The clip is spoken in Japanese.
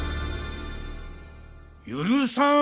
許さん。